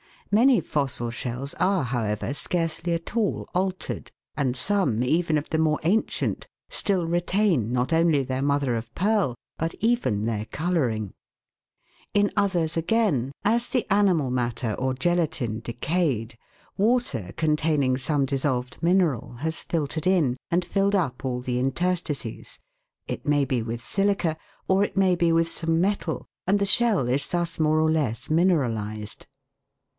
Many fossil shells are, however, scarcely at all altered, and some even of the more ancient still retain not only their mother of pearl, but even their colouring. In others again, CASTS OF SHELLS. 257 as the animal matter or gelatine decayed, water containing some dissolved mineral has filtered in and filled up all the interstices, it may be with silica, or it may be with some metal, and the shell is thus more or less mineralised.